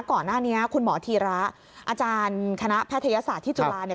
ก่อนหน้านี้คุณหมอธีระอาจารย์คณะแพทยศาสตร์ที่จุฬาเนี่ย